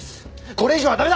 これ以上は駄目だ！